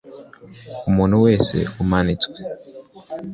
umuntu wese umanitswe